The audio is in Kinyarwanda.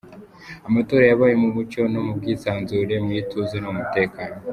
Amatora yabaye mu mucyo no mu bwisanzure, mu ituze no mu mutekano.